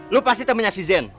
lo pasti temennya si zen